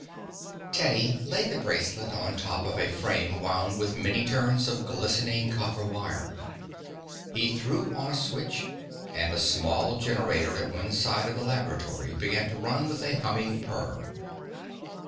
Teddy laid the bracelet on top of a frame wound with many turns of glistening copper wire. He threw on a switch, and a small generator at one side of the laboratory began to run with a humming purr.